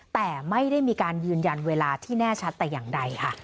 แต่ไม่ได้มีการยืนยันเวลาที่แน่ชัดแต่อย่างใดค่ะ